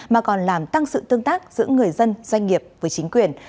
mà còn làm tăng sự tương tác giữa người dân doanh nghiệp với chính quyền